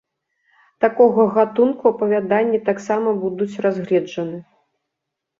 Такога гатунку апавяданні таксама будуць разгледжаны.